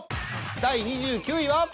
第２９位は。